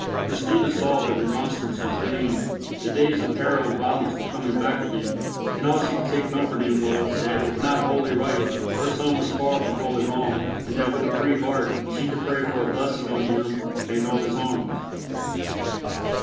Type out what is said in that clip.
Christina saw that remonstrance was vain. The days of peril and violence were coming back again; and all she could take comfort in was, that, if not wholly right, her son was far from wholly wrong, and that with a free heart she could pray for a blessing on him and on his arms.